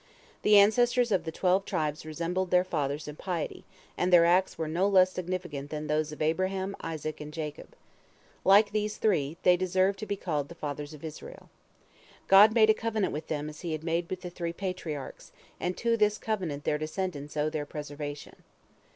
The ancestors of the twelve tribes resembled their fathers in piety, and their acts were no less significant than those of Abraham, Isaac, and Jacob. Like these three, they deserve to be called the Fathers of Israel. God made a covenant with them as He had made with the three Patriarchs, and to this covenant their descendants owe their preservation.